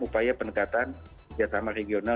upaya penekatan diatama regional